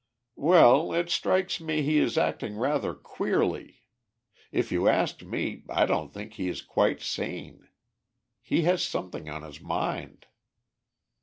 "Well, it strikes me he is acting rather queerly. If you asked me, I don't think he is quite sane. He has something on his mind."